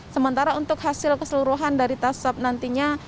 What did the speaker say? sementara untuk hasil keseluruhan dari tes swab nantinya